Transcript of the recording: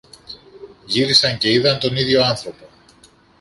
Γύρισαν και είδαν τον ίδιο άνθρωπο.